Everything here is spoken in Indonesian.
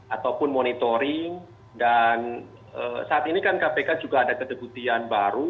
ataupun monitoring dan saat ini kan kpk juga ada kedebutian baru